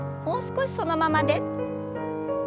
もう少しそのままで。